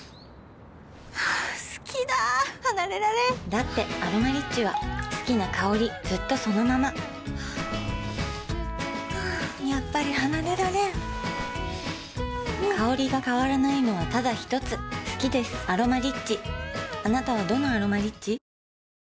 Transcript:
好きだ離れられんだって「アロマリッチ」は好きな香りずっとそのままやっぱり離れられん香りが変わらないのはただひとつ好きです「アロマリッチ」